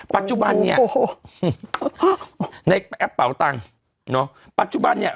ปัจจุบันเนี่ยโอ้โหในแอปเป่าตังค์เนอะปัจจุบันเนี่ย